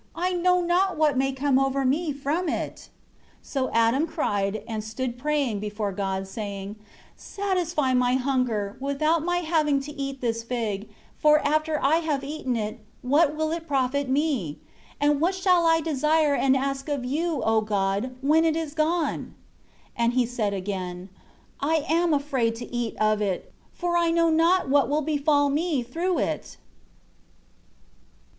I know not what may come over me from it." 4 So Adam cried, and stood praying before God, saying, "Satisfy my hunger, without my having to eat this fig; for after I have eaten it, what will it profit me? And what shall I desire and ask of you, O God, when it is gone?" 5 And he said again, "I am afraid to eat of it; for I know not what will befall me through it."